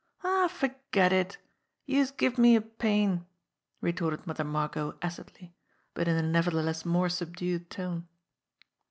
"Aw, forget it ! Youse gives me a pain !" retorted Mother Margot acidly, but in a nevertheless more subdued tone.